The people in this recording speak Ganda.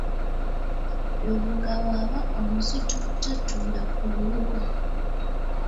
Lubuga bwaba omuzito tatuula ku lubugo.